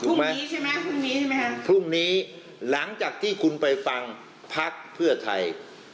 ถูกไหมถูกนี้ใช่ไหมครับถูกนี้หลังจากที่คุณไปฟังพักเพื่อไทย